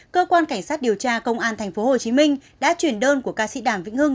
cơ quan cảnh sát điều tra công an tp hcm đã chuyển đơn của ca sĩ đàm vĩnh hưng